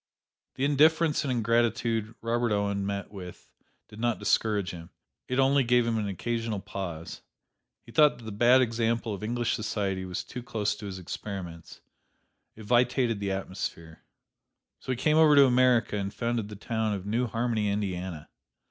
The indifference and ingratitude Robert Owen met with did not discourage him: it only gave him an occasional pause. He thought that the bad example of English society was too close to his experiments: it vitiated the atmosphere. So he came over to America and founded the town of New Harmony, Indiana.